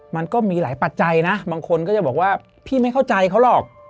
มันก็มีหลายปัจจัยนะบางคนก็จะบอกว่าพี่ไม่เข้าใจเขาหรอก